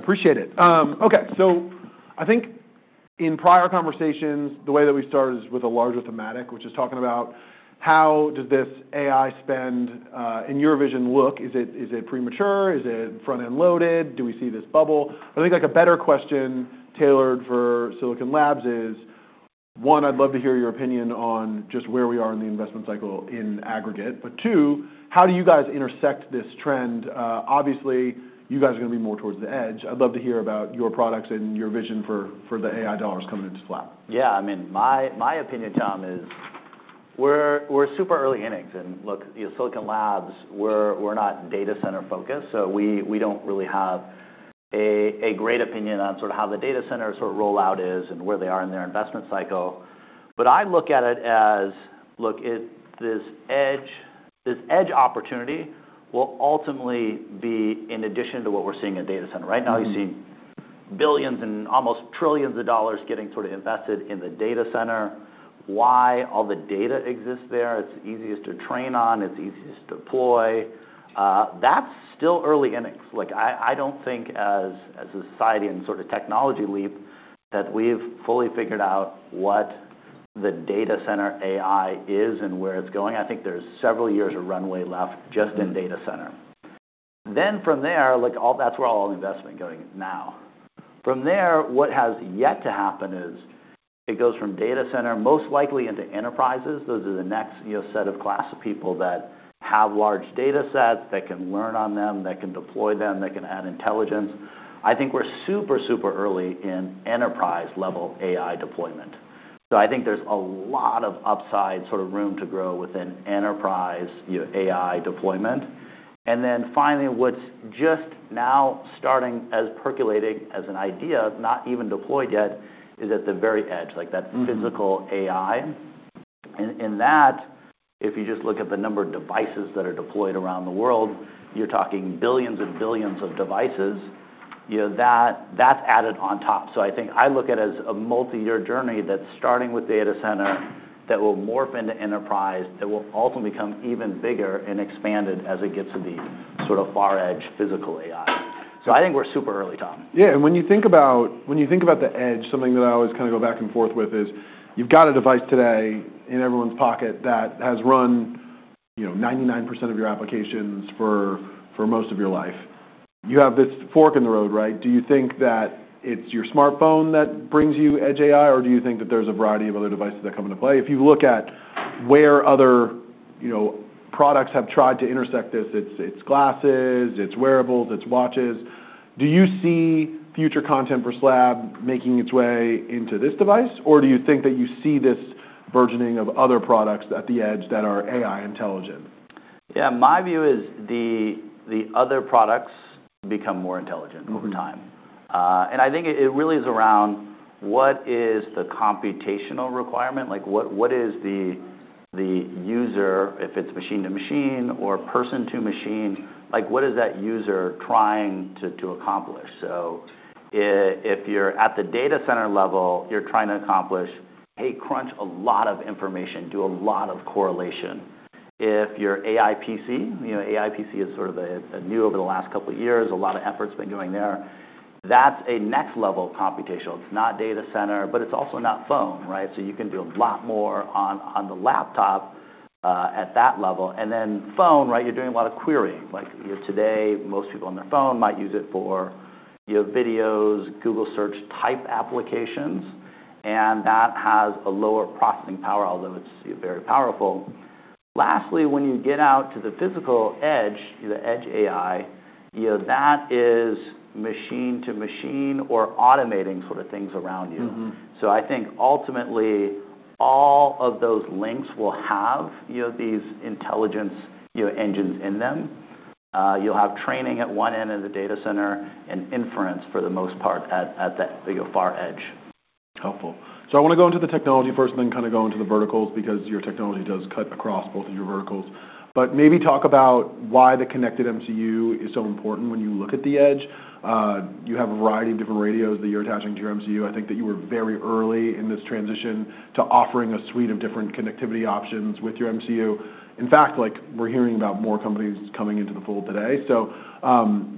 I appreciate it. Okay. So I think in prior conversations, the way that we started is with a larger thematic, which is talking about how does this AI spend, in your vision, look? Is it premature? Is it front-end loaded? Do we see this bubble? I think a better question tailored for Silicon Labs is, one, I'd love to hear your opinion on just where we are in the investment cycle in aggregate. But two, how do you guys intersect this trend? Obviously, you guys are going to be more towards the edge. I'd love to hear about your products and your vision for the AI dollars coming into SLAB. Yeah. I mean, Tom, we're super early innings. Look, Silicon Labs, we're not data center focused. So we don't really have a great opinion on sort of how the data center sort of rollout is and where they are in their investment cycle. But I look at it as, look, this edge opportunity will ultimately be in addition to what we're seeing at data center. Right now, you're seeing billions and almost trillions of dollars getting sort of invested in the data center. Why? All the data exists there. It's the easiest to train on. It's the easiest to deploy. That's still early innings. I don't think, as a society and sort of technology leap, that we've fully figured out what the data center AI is and where it's going. I think there's several years of runway left just in data center. Then from there, that's where all investment is going now. From there, what has yet to happen is it goes from data center, most likely into enterprises. Those are the next set of class of people that have large data sets that can learn on them, that can deploy them, that can add intelligence. I think we're super, super early in enterprise-level AI deployment. So I think there's a lot of upside sort of room to grow within enterprise AI deployment. And then finally, what's just now starting as percolating as an idea, not even deployed yet, is at the very edge, like that physical AI. And in that, if you just look at the number of devices that are deployed around the world, you're talking billions and billions of devices. That's added on top. So I think I look at it as a multi-year journey that's starting with data center that will morph into enterprise that will ultimately become even bigger and expanded as it gets to the sort of far edge physical AI. So I think we're super early, Tom. Yeah. And when you think about the edge, something that I always kind of go back and forth with is you've got a device today in everyone's pocket that has run 99% of your applications for most of your life. You have this fork in the road, right? Do you think that it's your smartphone that brings you Edge AI, or do you think that there's a variety of other devices that come into play? If you look at where other products have tried to intersect this, it's glasses, it's wearables, it's watches. Do you see future content for SLAB making its way into this device, or do you think that you see this burgeoning of other products at the edge that are AI intelligent? Yeah. My view is the other products become more intelligent over time. And I think it really is around what is the computational requirement? What is the user, if it's machine to machine or person to machine, what is that user trying to accomplish? So if you're at the data center level, you're trying to accomplish, hey, crunch a lot of information, do a lot of correlation. If you're AI PC, AI PC is sort of new over the last couple of years. A lot of effort's been going there. That's a next level computational. It's not data center, but it's also not phone, right? So you can do a lot more on the laptop at that level. And then phone, right, you're doing a lot of querying. Today, most people on their phone might use it for videos, Google search type applications. And that has a lower processing power, although it's very powerful. Lastly, when you get out to the physical edge, the Edge AI, that is machine to machine or automating sort of things around you. So I think ultimately all of those links will have these intelligence engines in them. You'll have training at one end of the data center and inference for the most part at that far edge. Helpful. I want to go into the technology first, then kind of go into the verticals because your technology does cut across both of your verticals. Maybe talk about why the connected MCU is so important when you look at the edge. You have a variety of different radios that you're attaching to your MCU. I think that you were very early in this transition to offering a suite of different connectivity options with your MCU. In fact, we're hearing about more companies coming into the fold today.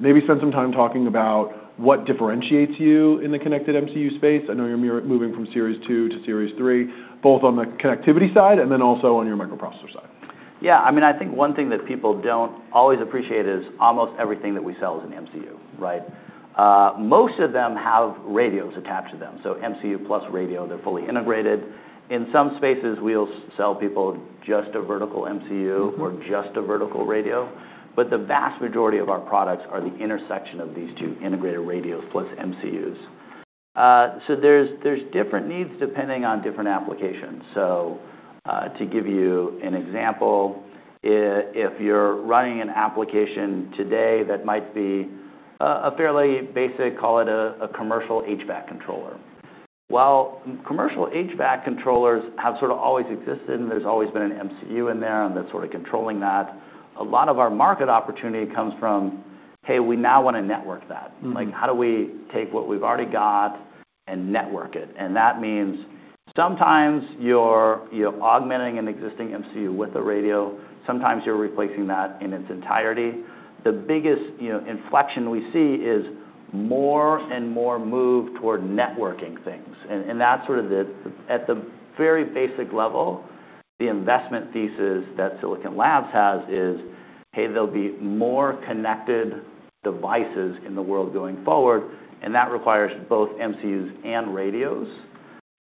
Maybe spend some time talking about what differentiates you in the connected MCU space. I know you're moving from Series 2 to Series 3, both on the connectivity side and then also on your microprocessor side. Yeah. I mean, I think one thing that people don't always appreciate is almost everything that we sell is an MCU, right? Most of them have radios attached to them. So MCU plus Radio, they're fully integrated. In some spaces, we'll sell people just a vertical MCU or just a vertical Radio. But the vast majority of our products are the intersection of these two integrated radios plus MCUs. So there's different needs depending on different applications. So to give you an example, if you're running an application today that might be a fairly basic, call it a commercial HVAC controller. While commercial HVAC controllers have sort of always existed and there's always been an MCU in there and that's sort of controlling that, a lot of our market opportunity comes from, hey, we now want to network that. How do we take what we've already got and network it? And that means sometimes you're augmenting an existing MCU with a radio. Sometimes you're replacing that in its entirety. The biggest inflection we see is more and more move toward networking things. And that's sort of at the very basic level, the investment thesis that Silicon Labs has is, hey, there'll be more connected devices in the world going forward. And that requires both MCUs and radios.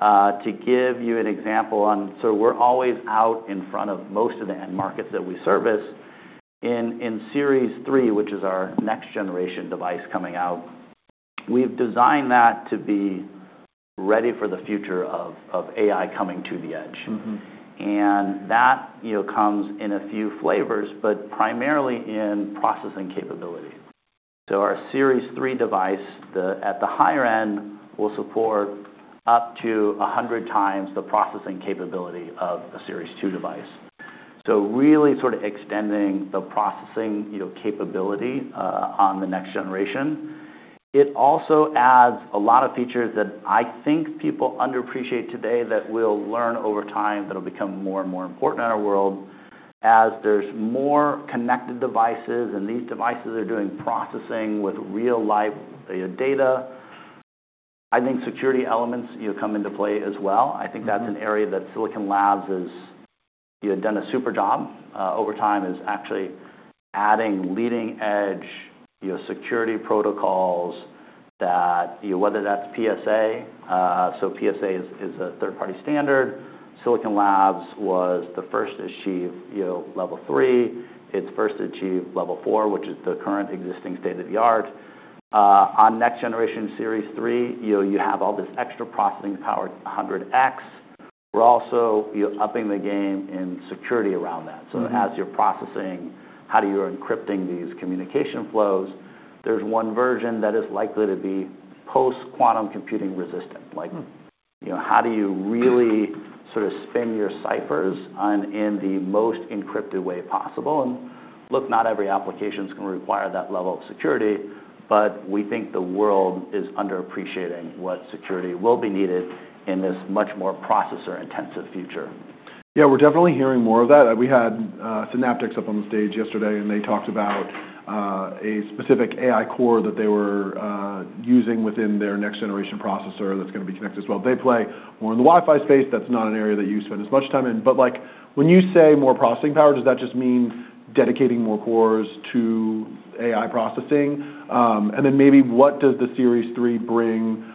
To give you an example on sort of we're always out in front of most of the end markets that we service. In Series 3, which is our next generation device coming out, we've designed that to be ready for the future of AI coming to the edge. And that comes in a few flavors, but primarily in processing capability. So our Series 3 device at the higher end will support up to 100x the processing capability of a Series 2 device. So really sort of extending the processing capability on the next generation. It also adds a lot of features that I think people underappreciate today that we'll learn over time that will become more and more important in our world as there's more connected devices and these devices are doing processing with real-life data. I think security elements come into play as well. I think that's an area that Silicon Labs has done a super job over time is actually adding leading-edge security protocols that whether that's PSA, so PSA is a third-party standard, Silicon Labs was the first to achieve level three. It's first to achieve level four, which is the current existing state of the art. On next generation Series 3, you have all this extra processing power 100x. We're also upping the game in security around that. So as you're processing, how do you encrypt these communication flows? There's one version that is likely to be post-quantum computing resistant. How do you really sort of spin your ciphers in the most encrypted way possible? And look, not every application is going to require that level of security, but we think the world is underappreciating what security will be needed in this much more processor-intensive future. Yeah. We're definitely hearing more of that. We had Synaptics up on the stage yesterday, and they talked about a specific AI core that they were using within their next generation processor that's going to be connected as well. They play more in the Wi-Fi space. That's not an area that you spend as much time in. But when you say more processing power, does that just mean dedicating more cores to AI processing? And then maybe what does the Series 3 bring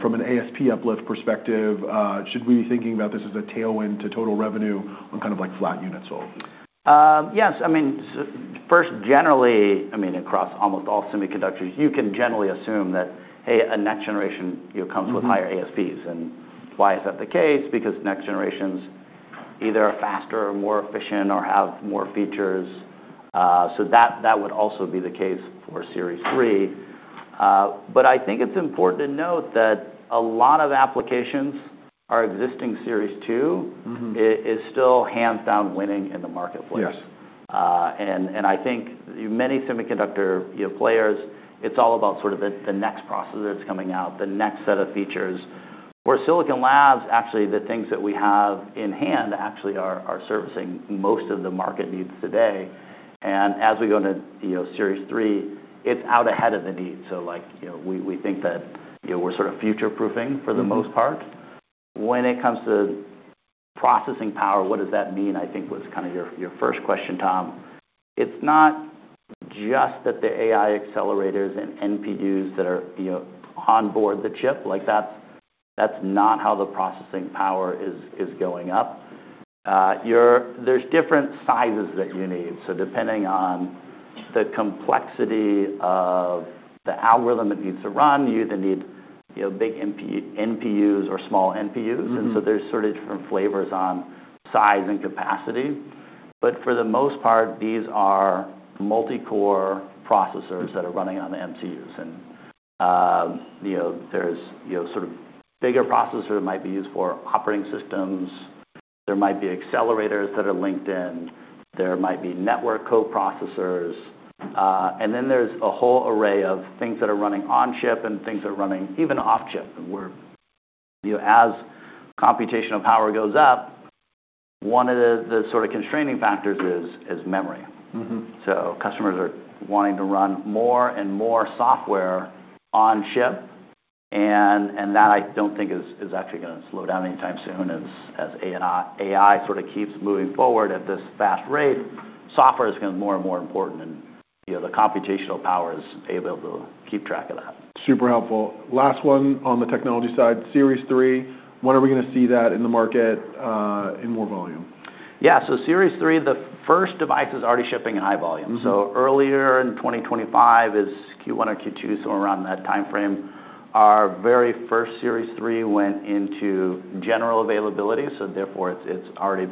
from an ASP uplift perspective? Should we be thinking about this as a tailwind to total revenue on kind of flat units? Yes. I mean, first, generally, I mean, across almost all semiconductors, you can generally assume that, hey, a next generation comes with higher ASPs. And why is that the case? Because next generations either are faster or more efficient or have more features. So that would also be the case for Series 3. But I think it's important to note that a lot of applications are existing Series 2 is still hands down winning in the marketplace. And I think many semiconductor players, it's all about sort of the next processor that's coming out, the next set of features. Where Silicon Labs, actually, the things that we have in hand actually are servicing most of the market needs today. And as we go into Series 3, it's out ahead of the need. So we think that we're sort of future-proofing for the most part. When it comes to processing power, what does that mean? I think was kind of your first question, Tom. It's not just that the AI accelerators and NPUs that are onboard the chip. That's not how the processing power is going up. There's different sizes that you need. So depending on the complexity of the algorithm that needs to run, you either need big NPUs or small NPUs. And so there's sort of different flavors on size and capacity. But for the most part, these are multi-core processors that are running on the MCUs. And there's sort of bigger processors that might be used for operating systems. There might be accelerators that are linked in. There might be network co-processors. And then there's a whole array of things that are running on chip and things that are running even off chip. As computational power goes up, one of the sort of constraining factors is memory. So customers are wanting to run more and more software on chip. And that I don't think is actually going to slow down anytime soon. As AI sort of keeps moving forward at this fast rate, software is going to be more and more important. And the computational power is able to keep track of that. Super helpful. Last one on the technology side. Series 3, when are we going to see that in the market in more volume? Yeah. Series 3, the first device is already shipping high volume. Earlier in 2025 is Q1 or Q2, somewhere around that time frame. Our very first Series 3 went into general availability. Therefore, it's already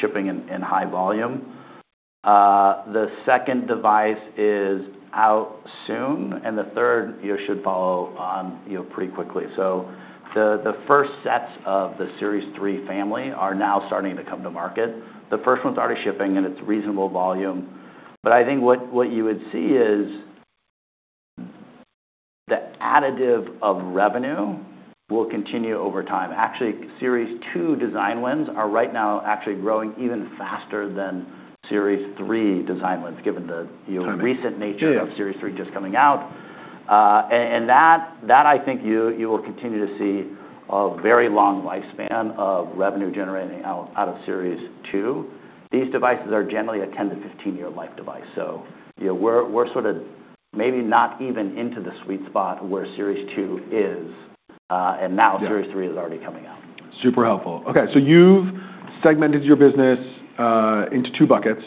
shipping in high volume. The second device is out soon. The third should follow pretty quickly. The first sets of the Series 3 family are now starting to come to market. The first one's already shipping, and it's reasonable volume. I think what you would see is the additive of revenue will continue over time. Actually, Series 2 design wins are right now actually growing even faster than Series 3 design wins, given the recent nature of Series 3 just coming out. That, I think you will continue to see a very long lifespan of revenue generating out of Series 2. These devices are generally a 10-15 year life device. So we're sort of maybe not even into the sweet spot where Series 2 is, and now Series 3 is already coming out. Super helpful. Okay. So you've segmented your business into two buckets.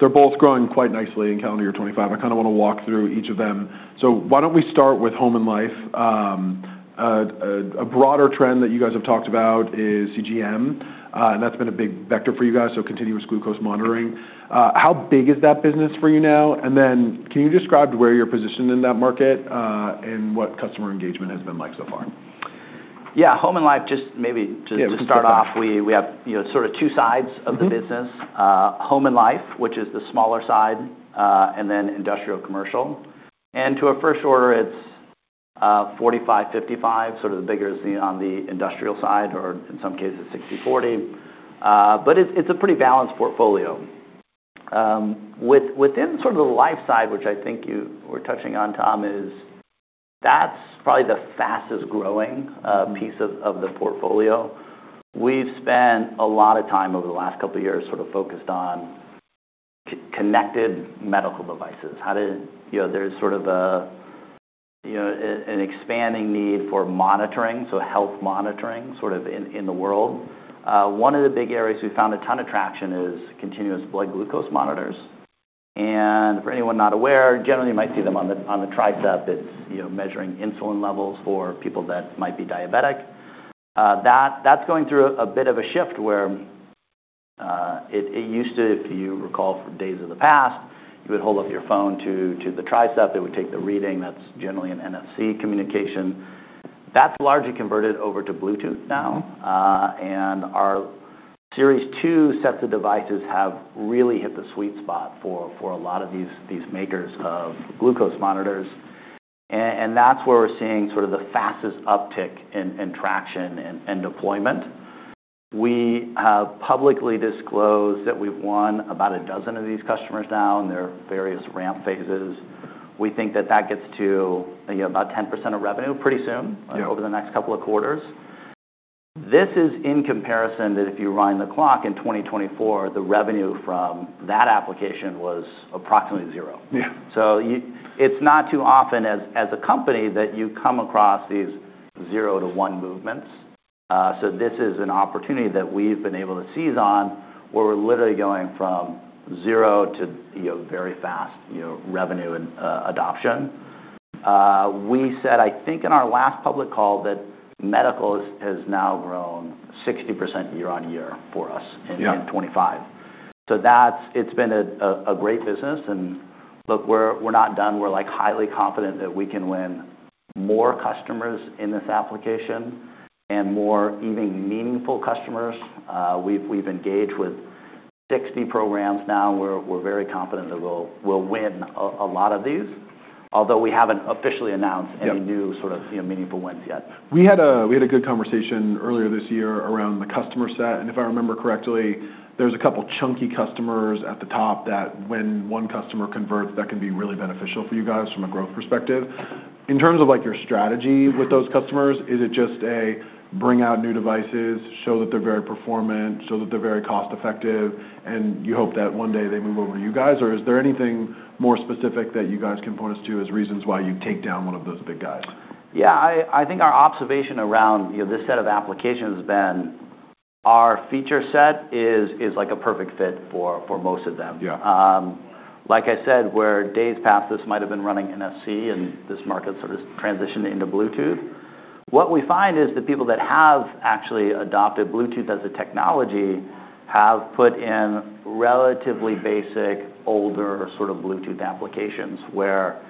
They're both growing quite nicely in calendar year 2025. I kind of want to walk through each of them. So why don't we start with Home & Life? A broader trend that you guys have talked about is CGM. And that's been a big vector for you guys, so continuous glucose monitoring. How big is that business for you now? And then can you describe where you're positioned in that market and what customer engagement has been like so far? Yeah. Home & Life, just maybe to start off, we have sort of two sides of the business. Home & Life, which is the smaller side, and then Industrial Commercial. And to a first order, it's 45-55, sort of the bigger is on the industrial side, or in some cases 60-40. But it's a pretty balanced portfolio. Within sort of the life side, which I think you were touching on, Tom, that's probably the fastest growing piece of the portfolio. We've spent a lot of time over the last couple of years sort of focused on connected medical devices. There's sort of an expanding need for monitoring, so health monitoring sort of in the world. One of the big areas we found a ton of traction is continuous blood glucose monitors. And for anyone not aware, generally you might see them on the triceps. It's measuring insulin levels for people that might be diabetic. That's going through a bit of a shift where it used to, if you recall from days of the past, you would hold up your phone to the triceps. It would take the reading. That's generally an NFC communication. That's largely converted over to Bluetooth now. And our Series 2 sets of devices have really hit the sweet spot for a lot of these makers of glucose monitors. And that's where we're seeing sort of the fastest uptick in traction and deployment. We have publicly disclosed that we've won about a dozen of these customers now in their various ramp phases. We think that that gets to about 10% of revenue pretty soon over the next couple of quarters. This is in comparison that if you run the clock in 2024, the revenue from that application was approximately zero. It's not too often as a company that you come across these zero to one movements. This is an opportunity that we've been able to seize on where we're literally going from zero to very fast revenue and adoption. We said, I think in our last public call that medical has now grown 60% year-on-year for us in 2025. It's been a great business. And look, we're not done. We're highly confident that we can win more customers in this application and more even meaningful customers. We've engaged with 60 programs now. We're very confident that we'll win a lot of these, although we haven't officially announced any new sort of meaningful wins yet. We had a good conversation earlier this year around the customer set, and if I remember correctly, there's a couple of chunky customers at the top that when one customer converts, that can be really beneficial for you guys from a growth perspective. In terms of your strategy with those customers, is it just a bring out new devices, show that they're very performant, show that they're very cost-effective, and you hope that one day they move over to you guys? Or is there anything more specific that you guys can point us to as reasons why you take down one of those big guys? Yeah. I think our observation around this set of applications has been our feature set is like a perfect fit for most of them. Like I said, in days past this might have been running NFC and this market sort of transitioned into Bluetooth. What we find is the people that have actually adopted Bluetooth as a technology have put in relatively basic older sort of Bluetooth applications where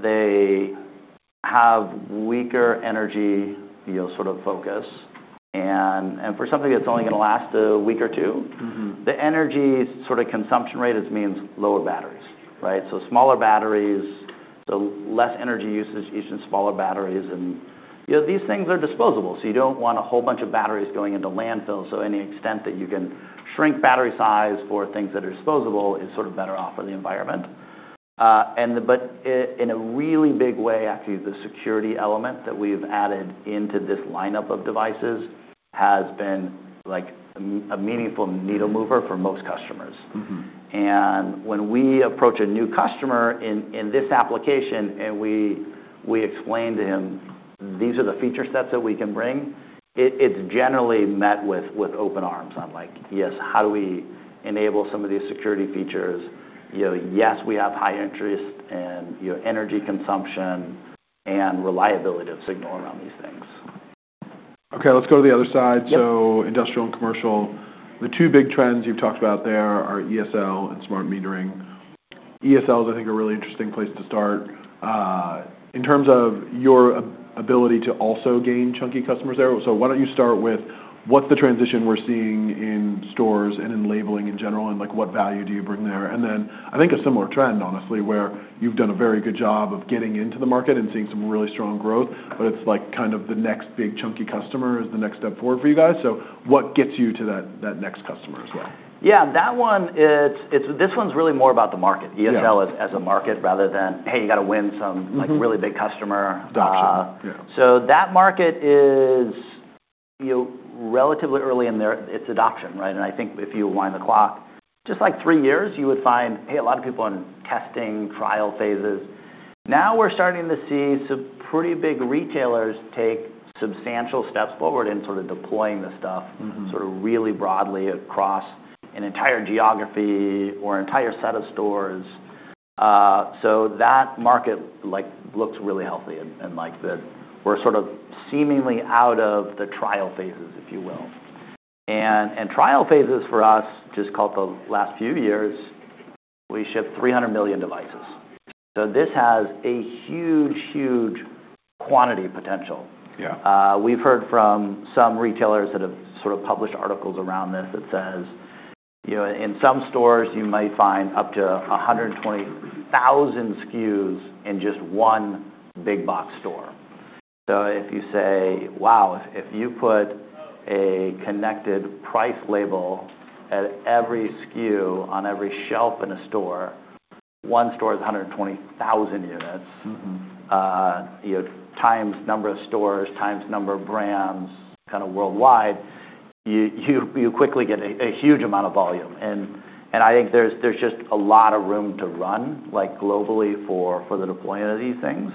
they have weaker energy sort of focus. And for something that's only going to last a week or two, the energy sort of consumption rate means lower batteries, right? So smaller batteries, so less energy usage using smaller batteries. And these things are disposable. So you don't want a whole bunch of batteries going into landfill. So any extent that you can shrink battery size for things that are disposable is sort of better off for the environment. In a really big way, actually, the security element that we've added into this lineup of devices has been a meaningful needle mover for most customers. When we approach a new customer in this application and we explain to him, "These are the feature sets that we can bring," it's generally met with open arms, like, "Yes, how do we enable some of these security features?" Yes, we have high interest and energy consumption and reliability of signal around these things. Okay. Let's go to the other side. So Industrial and Commercial. The two big trends you've talked about there are ESL and smart metering. ESLs, I think, are a really interesting place to start. In terms of your ability to also gain chunky customers there, so why don't you start with what's the transition we're seeing in stores and in labeling in general and what value do you bring there? And then I think a similar trend, honestly, where you've done a very good job of getting into the market and seeing some really strong growth, but it's kind of the next big chunky customer is the next step forward for you guys. So what gets you to that next customer as well? Yeah. That one, this one's really more about the market. ESL as a market rather than, "Hey, you got to win some really big customer. Adoption. Yeah. So that market is relatively early in their adoption, right? And I think if you wind the clock, just like three years, you would find, "Hey, a lot of people in testing trial phases." Now we're starting to see some pretty big retailers take substantial steps forward in sort of deploying this stuff sort of really broadly across an entire geography or entire set of stores. So that market looks really healthy. And we're sort of seemingly out of the trial phases, if you will. And trial phases for us, just called the last few years, we shipped 300 million devices. So this has a huge, huge quantity potential. We've heard from some retailers that have sort of published articles around this that says, "In some stores, you might find up to 120,000 SKUs in just one big box store, so if you say, 'Wow, if you put a connected price label at every SKU on every shelf in a store, one store is 120,000 units times number of stores times number of brands kind of worldwide, you quickly get a huge amount of volume,' and I think there's just a lot of room to run globally for the deployment of these things.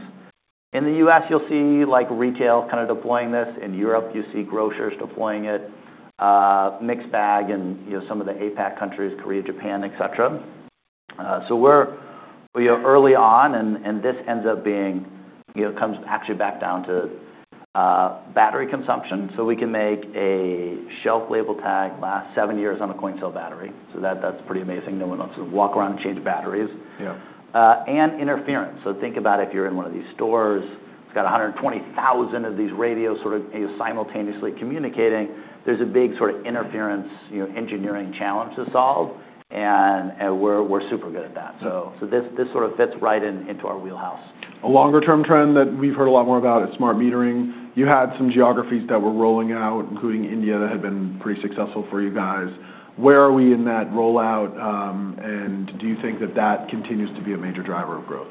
In the US, you'll see retail kind of deploying this. In Europe, you see grocers deploying it, mixed bag in some of the APAC countries, Korea, Japan, etc., so we're early on, and this ends up being. It comes actually back down to battery consumption. So we can make a shelf label tag last seven years on a coin cell battery. So that's pretty amazing. No one else would walk around and change batteries. And interference. So think about if you're in one of these stores. It's got 120,000 of these radios sort of simultaneously communicating. There's a big sort of interference engineering challenge to solve. And we're super good at that. So this sort of fits right into our wheelhouse. A longer-term trend that we've heard a lot more about is smart metering. You had some geographies that were rolling out, including India, that had been pretty successful for you guys. Where are we in that rollout, and do you think that that continues to be a major driver of growth?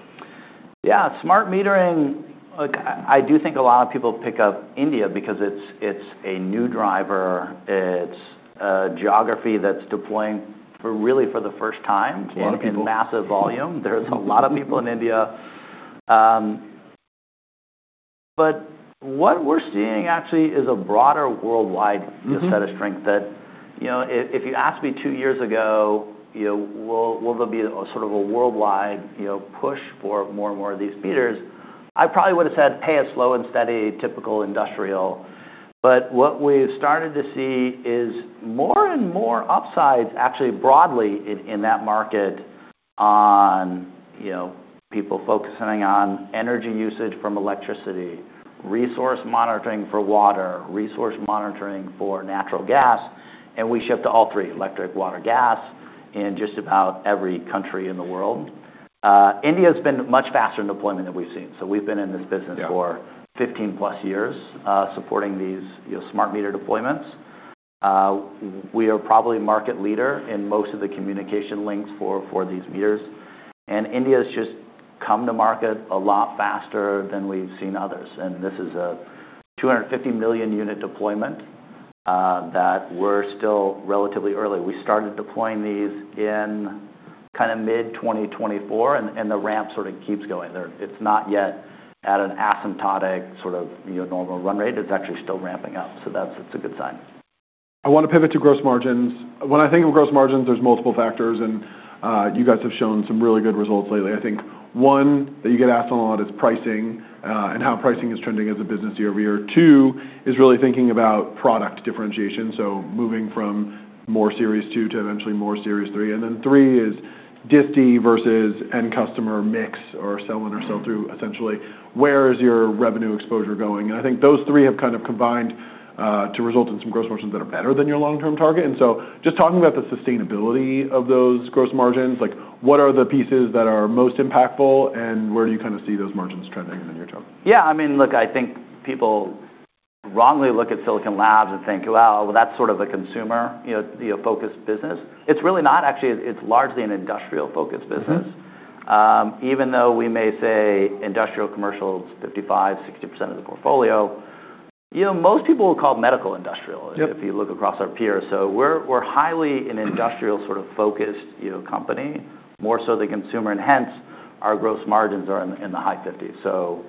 Yeah. Smart metering, I do think a lot of people pick up India because it's a new driver. It's a geography that's deploying really for the first time. A lot of people. Massive volume. There's a lot of people in India. But what we're seeing actually is a broader worldwide set of strengths that if you asked me two years ago, will there be sort of a worldwide push for more and more of these meters? I probably would have said, "Hey, it's slow and steady, typical industrial." But what we've started to see is more and more upsides actually broadly in that market on people focusing on energy usage from electricity, resource monitoring for water, resource monitoring for natural gas, and we shipped all three: electric, water, gas in just about every country in the world. India has been much faster in deployment than we've seen, so we've been in this business for 15+ years supporting these smart meter deployments. We are probably market leader in most of the communication links for these meters. And India has just come to market a lot faster than we've seen others. And this is a 250 million unit deployment that we're still relatively early. We started deploying these in kind of mid-2024. And the ramp sort of keeps going. It's not yet at an asymptotic sort of normal run rate. It's actually still ramping up. So that's a good sign. I want to pivot to gross margins. When I think of gross margins, there's multiple factors. And you guys have shown some really good results lately. I think one that you get asked on a lot is pricing and how pricing is trending as a business year-over-year. Two is really thinking about product differentiation. So moving from more Series 2 to eventually more Series 3. And then three is disti versus end customer mix or sell-in or sell-through, essentially. Where is your revenue exposure going? And I think those three have kind of combined to result in some gross margins that are better than your long-term target. And so just talking about the sustainability of those gross margins, what are the pieces that are most impactful and where do you kind of see those margins trending in the near term? Yeah. I mean, look, I think people wrongly look at Silicon Labs and think, "Wow, that's sort of a consumer-focused business." It's really not. Actually, it's largely an industrial-focused business. Even though we may say Industrial Commercial is 55%-60% of the portfolio, most people will call it medical industrial if you look across our peers. So we're highly an industrial sort of focused company, more so the consumer. And hence, our gross margins are in the high 50s. So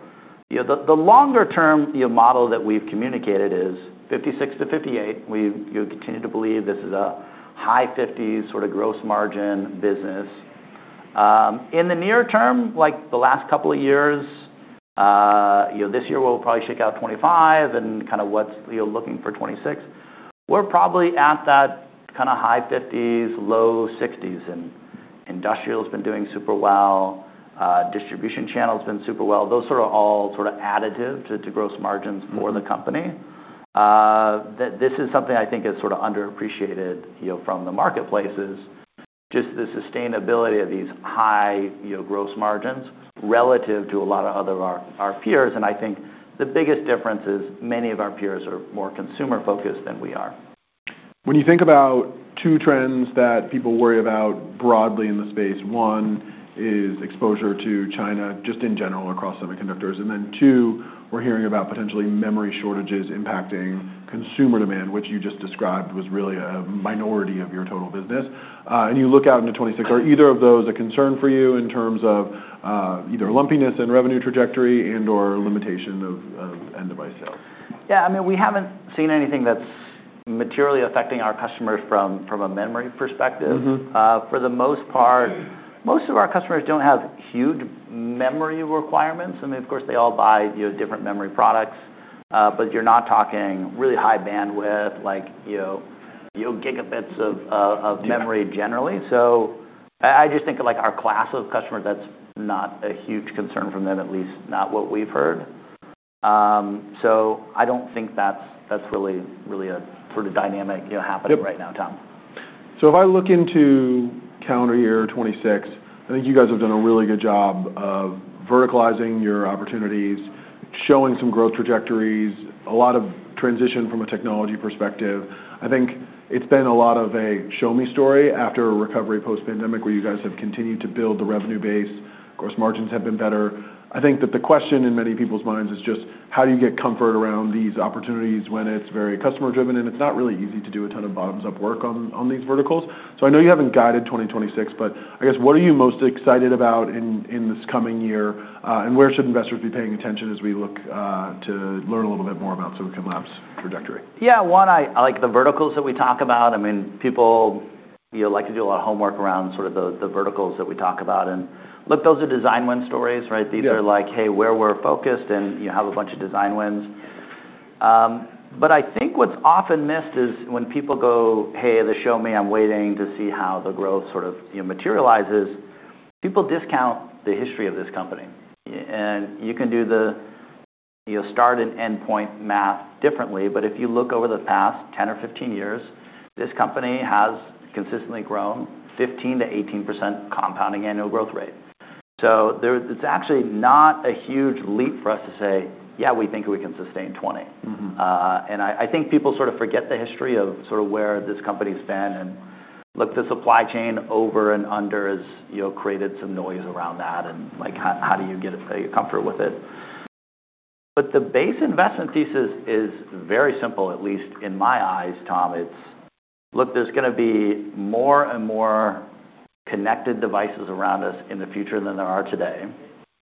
the longer-term model that we've communicated is 56%-58%. We continue to believe this is a high 50s sort of gross margin business. In the near term, like the last couple of years, this year we'll probably shake out 2025 and kind of what's looking for 2026. We're probably at that kind of high 50s, low 60s. And industrial has been doing super well. Distribution channel has been super well. Those are all sort of additive to gross margins for the company. This is something I think is sort of underappreciated from the marketplaces, just the sustainability of these high gross margins relative to a lot of our peers, and I think the biggest difference is many of our peers are more consumer-focused than we are. When you think about two trends that people worry about broadly in the space, one is exposure to China just in general across semiconductors. And then two, we're hearing about potentially memory shortages impacting consumer demand, which you just described was really a minority of your total business. And you look out into 2026, are either of those a concern for you in terms of either lumpiness in revenue trajectory and/or limitation of end device sales? Yeah. I mean, we haven't seen anything that's materially affecting our customers from a memory perspective. For the most part, most of our customers don't have huge memory requirements. I mean, of course, they all buy different memory products. But you're not talking really high bandwidth, like Gb of memory generally. So I just think of our class of customers, that's not a huge concern from them, at least not what we've heard. So I don't think that's really a sort of dynamic happening right now, Tom. So if I look into calendar year 2026, I think you guys have done a really good job of verticalizing your opportunities, showing some growth trajectories, a lot of transition from a technology perspective. I think it's been a lot of a show-me story after a recovery post-pandemic where you guys have continued to build the revenue base. Gross margins have been better. I think that the question in many people's minds is just, how do you get comfort around these opportunities when it's very customer-driven? And it's not really easy to do a ton of bottoms-up work on these verticals. So I know you haven't guided 2026, but I guess what are you most excited about in this coming year? And where should investors be paying attention as we look to learn a little bit more about Silicon Labs' trajectory? Yeah. One, the verticals that we talk about. I mean, people like to do a lot of homework around sort of the verticals that we talk about. And look, those are design win stories, right? These are like, "Hey, where we're focused," and you have a bunch of design wins. But I think what's often missed is when people go, "Hey, show me, I'm waiting to see how the growth sort of materializes." People discount the history of this company. And you can do the start and endpoint math differently. But if you look over the past 10 or 15 years, this company has consistently grown 15%-18% compounding annual growth rate. So it's actually not a huge leap for us to say, "Yeah, we think we can sustain 20%." And I think people sort of forget the history of sort of where this company's been. Look, the supply chain over and under has created some noise around that. How do you get comfortable with it? The base investment thesis is very simple, at least in my eyes, Tom. It's, "Look, there's going to be more and more connected devices around us in the future than there are today.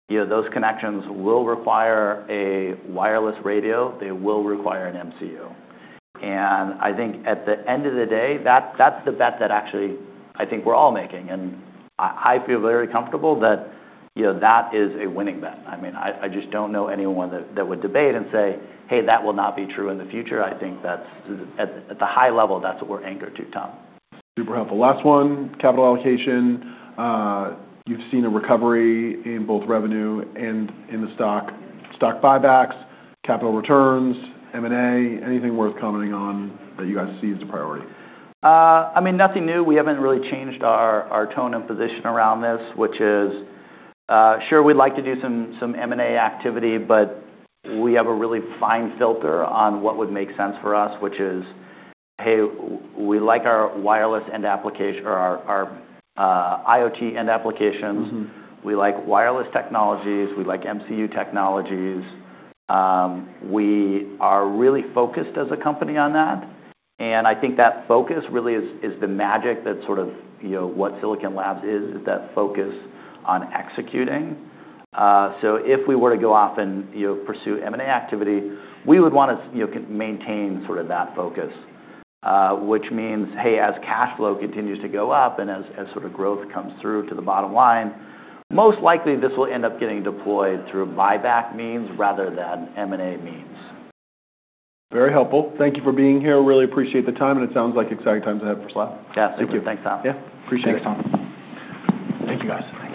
Those connections will require a wireless radio. They will require an MCU." I think at the end of the day, that's the bet that actually I think we're all making. I feel very comfortable that that is a winning bet. I mean, I just don't know anyone that would debate and say, "Hey, that will not be true in the future." I think that's at the high level, that's what we're anchored to, Tom. Super helpful. Last one, capital allocation. You've seen a recovery in both revenue and in the stock. Stock buybacks, capital returns, M&A, anything worth commenting on that you guys see as a priority? I mean, nothing new. We haven't really changed our tone and position around this, which is, sure, we'd like to do some M&A activity, but we have a really fine filter on what would make sense for us, which is, "Hey, we like our wireless end application or our IoT end applications. We like wireless technologies. We like MCU technologies. We are really focused as a company on that." And I think that focus really is the magic that sort of what Silicon Labs is, is that focus on executing. So if we were to go off and pursue M&A activity, we would want to maintain sort of that focus, which means, "Hey, as cash flow continues to go up and as sort of growth comes through to the bottom line, most likely this will end up getting deployed through buyback means rather than M&A means. Very helpful. Thank you for being here. Really appreciate the time. And it sounds like exciting times ahead for SLAB. Yeah. Thank you. Thanks, Tom. Yeah. Appreciate it. Thanks, Tom. Thank you, guys. Thanks.